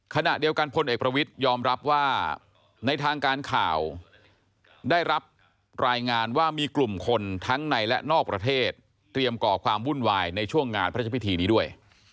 ขณะเดียวกันพลเอกประวิทยอมรับว่าในทางการข่าวได้รับรายงานว่ามีกลุ่มคนทั้งในและนอกประเทศเตรียมก่อความวุ่นวายในช่วงงานพระเจ้าพิธีนี้ด้วย